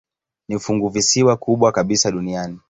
Ni funguvisiwa kubwa kabisa duniani.